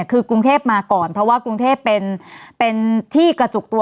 คือกรุงเทพมาก่อนเพราะว่ากรุงเทพเป็นที่กระจุกตัว